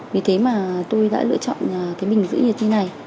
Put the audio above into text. vì thế mà tôi đã lựa chọn